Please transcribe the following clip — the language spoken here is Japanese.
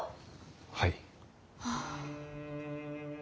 はい。